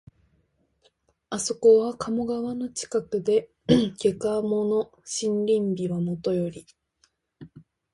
あそこは鴨川の近くで、下鴨の森林美はもとより、